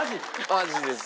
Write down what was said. マジです。